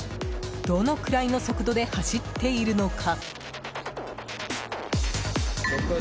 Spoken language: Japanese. どのくらいの速度で走っているのか。